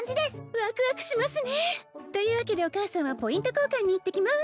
ワクワクしますねというわけでお母さんはポイント交換に行ってきます